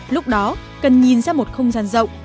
lúc đó cần nhìn ra một không gian rộng